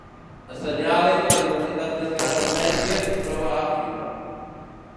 Assenyale que la diversitat més gran d'espècies es troba a Àfrica.